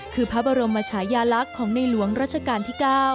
คือพระบรมชายาลักษณ์ของในหลวงรัชกาลที่๙